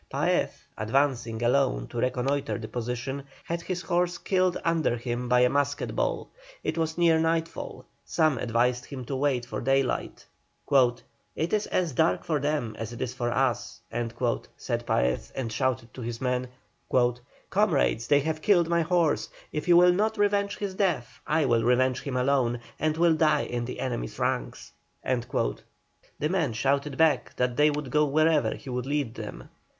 Paez, advancing alone to reconnoitre the position, had his horse killed under him by a musket ball. It was near nightfall; some advised him to wait for daylight. "It is as dark for them as it is for us," said Paez, and shouted to his men, "Comrades, they have killed my horse. If you will not revenge his death I will revenge him alone, and will die in the enemy's ranks." The men shouted back that they would go wherever he would lead them.